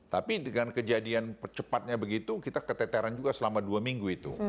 tapi dengan kejadian percepatnya begitu kita keteteran juga selama dua minggu itu